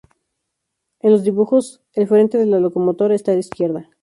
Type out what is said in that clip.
En los dibujos, el frente de la locomotora está a la izquierda.